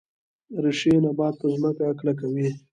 ریښې نبات په ځمکه کلکوي